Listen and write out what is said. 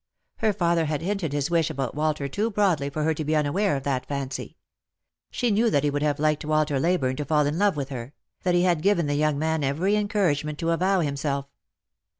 Her father had hinted his wish about Walter too broadly for her to be unaware of that fancy. She knew that he would have liked Walter Leyburne to fall in love with her ; that he had given the young man every encouragement to avow himself.